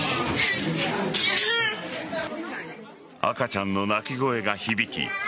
赤ちゃんの泣き声が響き